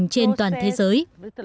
hòa bình trên toàn thế giới